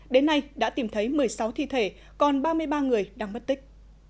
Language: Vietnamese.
đến nay đã tìm thấy một mươi sáu thi thể còn ba mươi ba người đang mất tích